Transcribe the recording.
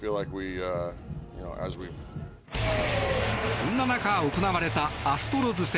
そんな中行われたアストロズ戦。